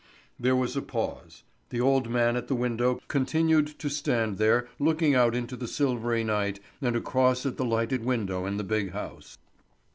There was a pause. The old man at the window continued to stand there looking out into the silvery night and across at the lighted window in the big house.